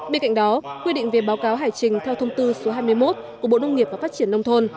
bên cạnh đó quy định về báo cáo hải trình theo thông tư số hai mươi một của bộ nông nghiệp và phát triển nông thôn